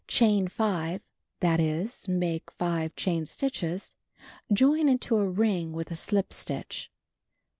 Chain 5; that is, make 5 chain stitches. Join into a ring with a slip stitch.